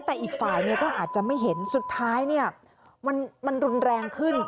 แต่อีกฝ่ายเนี่ยก็อาจจะไม่เห็นสุดท้ายเนี่ยมันรุนแรงขึ้น